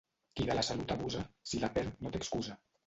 Qui de la salut abusa, si la perd no té excusa.